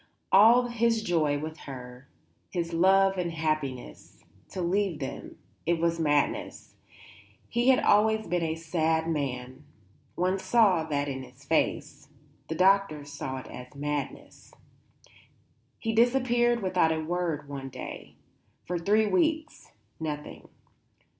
All his joy with her, his love and happiness to leave them; it was madness; he had always been a sad man; one saw that in his face; the doctors said it was madness. He disappeared without a word one day. For three weeks nothing.